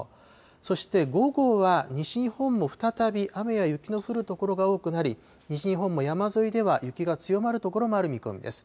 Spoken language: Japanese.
そして午後は、西日本も再び雨や雪の降る所が多くなり、西日本も山沿いでは雪が強まる所もある見込みです。